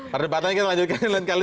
pada depannya kita lanjutkan lain kali